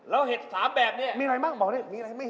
แล้วเห็ดถามสามแบบนี้มีอะไรบ้างบอกเร็วเนี่ย